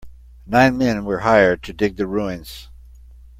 Nine men were hired to dig the ruins.